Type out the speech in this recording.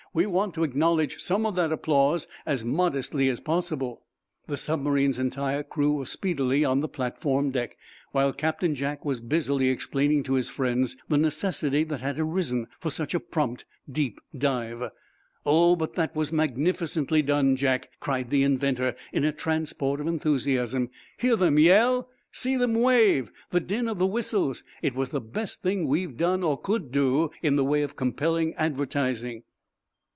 "We want to acknowledge some of that applause as modestly as possible." The submarine's entire crew were speedily on the platform deck, while Captain Jack was busily explaining to his friends the necessity that had arisen for such a prompt, deep dive. "Oh, but that was magnificently done, Jack!" cried the inventor, in a transport of enthusiasm. "Hear them yell! See them wave! The din of the whistles! It was the best thing we've done or could do in the way of compelling advertising!"